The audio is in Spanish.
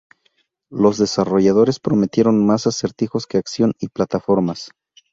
Los desarrolladores prometieron más acertijos que acción y plataformas.